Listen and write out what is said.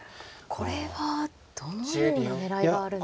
これはどのような狙いがあるんですか。